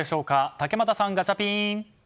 竹俣さん、ガチャピン！